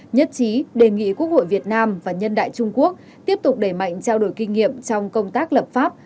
nhất trí đề nghị quốc hội việt nam và nhân đại trung quốc tiếp tục đẩy mạnh trao đổi kinh nghiệm trong công tác lập pháp